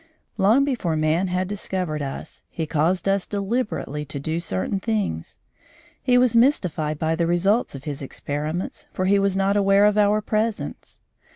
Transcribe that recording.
Long before man had discovered us, he caused us deliberately to do certain things. He was mystified by the results of his experiments, for he was not aware of our presence.